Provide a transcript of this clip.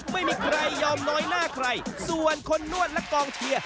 ไม่ยอมน้อยหน้าใครส่วนคนนวดและกองเชียร์